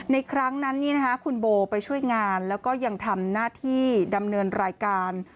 ในครั้งนั้นคุณโบไปช่วยงานแล้วก็ยังทำหน้าที่ดำเนินรายการ